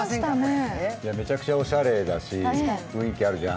めちゃくちゃおしゃれだし、雰囲気あるじゃん。